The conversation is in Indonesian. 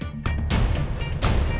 oh ya allah